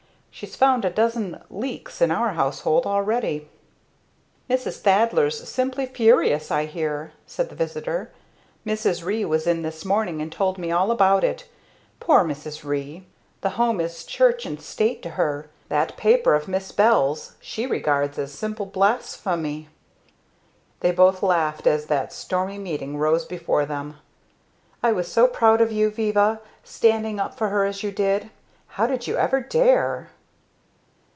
She's found a dozen 'leaks' in our household already." "Mrs. Thaddler's simply furious, I hear," said the visitor. "Mrs. Ree was in this morning and told me all about it. Poor Mrs. Ree! The home is church and state to her; that paper of Miss Bell's she regards as simple blasphemy." They both laughed as that stormy meeting rose before them. "I was so proud of you, Viva, standing up for her as you did. How did you ever dare?"